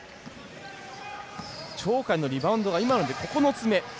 鳥海のリバウンドが今ので９つ目。